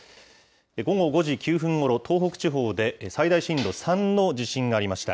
午後５時９分ごろ、東北地方で最大震度３の地震がありました。